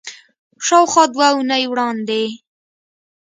شاوخوا دوه اونۍ وړاندې